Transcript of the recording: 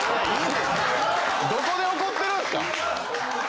どこで怒ってるんですか。